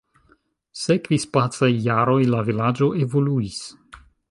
Sekvis pacaj jaroj, la vilaĝo evoluis.